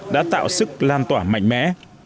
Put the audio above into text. đã tạo sức lan tỏa mạnh mẽ